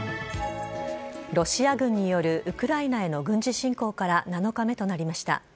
ロシア軍によるウクライナへの軍事侵攻から７日目となりました。